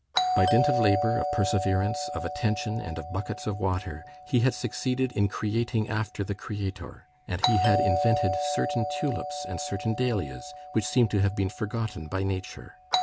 By dint of labor, of perseverance, of attention, and of buckets of water, he had succeeded in creating after the Creator, and he had invented certain tulips and certain dahlias which seemed to have been forgotten by nature.